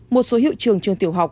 một số hiệu trường trường tiểu học